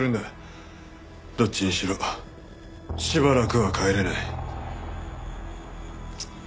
どっちにしろしばらくは帰れない。